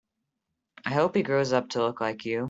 I hope he grows up to look like you.